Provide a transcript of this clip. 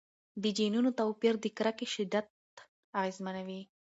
د جینونو توپیر د کرکې شدت اغېزمنوي.